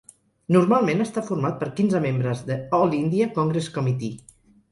Normalment està format per quinze membres de All India Congress Committee.